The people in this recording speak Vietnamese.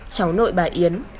cháu nội bà yến